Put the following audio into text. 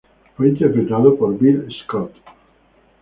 Fue Interpretado por Bill Scott.